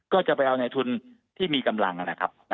ก็จะไปเอาในทุนที่มีกำลังนะครับ